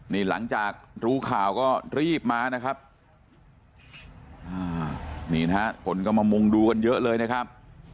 นี่หลังจากรู้ข่าวก็รีบมานะครับนี่นะฮะคนก็มามุงดูกันเยอะเลยนะครับ